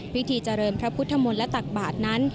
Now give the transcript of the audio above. พิธีเจริญพระพุทธมนต์และตักบาทนั้น